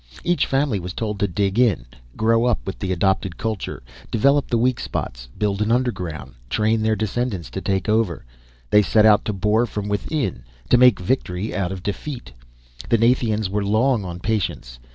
Each family was told to dig in, grow up with the adopted culture, develop the weak spots, build an underground, train their descendants to take over. They set out to bore from within, to make victory out of defeat. The Nathians were long on patience.